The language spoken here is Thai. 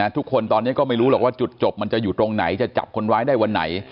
ทุกคนตอนนี้ก็ไม่รู้หรอกว่าจุดจบมันจะอยู่ตรงไหนจะจับคนร้ายได้วันไหน